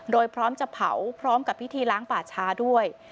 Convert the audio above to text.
โดยพร้อมจะเผาพร้อมกับพิธีล้างป่าช้าด้วย